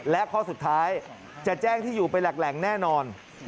และข้อสุดท้ายจะแจ้งที่อยู่ไปแหล่งแน่นอน